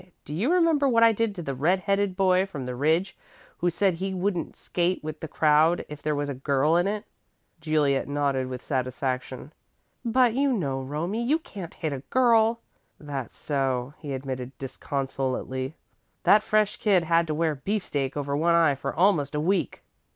Do you remember what I did to the red headed boy from the Ridge who said he wouldn't skate with the crowd if there was a girl in it?" Juliet nodded with satisfaction. "But you know, Romie, you can't hit a girl." "That's so," he admitted disconsolately. "That fresh kid had to wear beefsteak over one eye for almost a week."